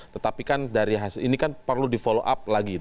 tetapi kan dari hasil ini kan perlu di follow up lagi